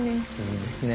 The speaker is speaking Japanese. いいですね。